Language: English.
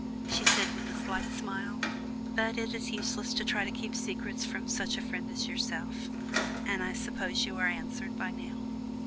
she said, with a slight smile. "But it is useless to try to keep secrets from such a friend as yourself, and I suppose you are answered by now."